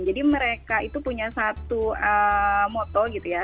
mereka itu punya satu moto gitu ya